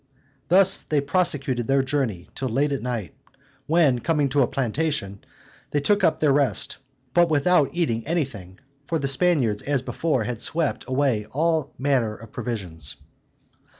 Thus they prosecuted their journey till late at night; when coming to a plantation, they took up their rest, but without eating anything; for the Spaniards, as before, had swept away all manner of provisions.